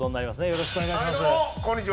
よろしくお願いします